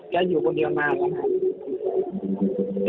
แกอยู่คนเดียวมากแล้วค่ะ